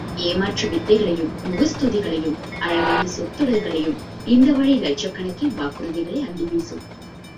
ஏமாற்று வித்தைகளையும் முகஸ்துதிகளையும், அழகான சொற்தொடர்களை இந்தவழி இலட்சக்கணக்கில் வாக்குறுதிகளை அள்ளிவீசும்.